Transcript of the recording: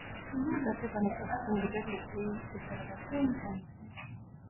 Սկսած է բանաստեղծութիւն գրել լիսէի ուսանողութեան շրջանին։